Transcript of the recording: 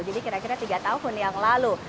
jadi kira kira tiga tahun yang lalu